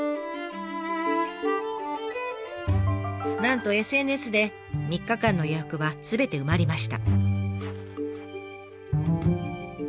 なんとＳＮＳで３日間の予約はすべて埋まりました。